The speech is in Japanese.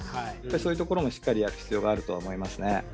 そういうところもしっかりやる必要があるとは思いますね。